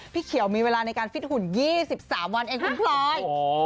พี่เขียวมีเวลาในการฟิตหุ่น๒๓วันเองคุณพลอย